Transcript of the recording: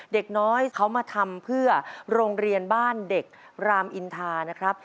เด็กน้อยเขามาทำเพื่อโรงเรียนบ้านเด็กรามอินทานะครับ